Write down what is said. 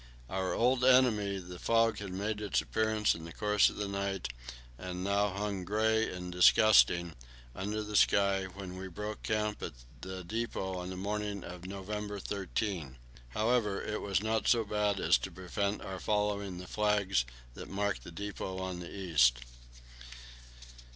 Our old enemy the fog had made its appearance in the course of the night, and now hung, grey and disgusting, under the sky, when we broke camp at the depot on the morning of November 13. However, it was not so bad as to prevent our following the flags that marked the depot on the east.